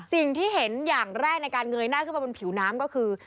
สิ่งที่เห็นอย่างแรกในการเงยหน้าขึ้นมาบนผิวน้ำก็คือ